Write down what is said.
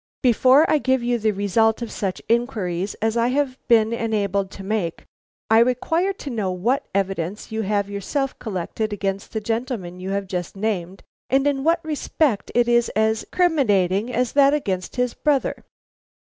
Before I give you the result of such inquiries as I have been enabled to make, I require to know what evidence you have yourself collected against the gentleman you have just named, and in what respect it is as criminating as that against his brother?"